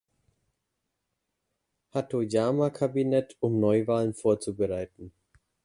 Hatoyama-Kabinett, um Neuwahlen vorzubereiten.